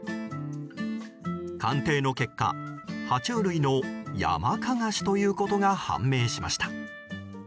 鑑定の結果、爬虫類のヤマカガシということが判明しました。